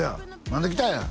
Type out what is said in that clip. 何で来たんや？